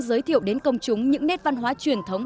giới thiệu đến công chúng những nét văn hóa truyền thống